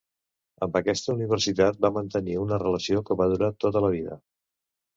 Amb aquesta universitat va mantenir una relació que va durar tota la vida.